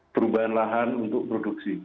perubahan lahan untuk produksi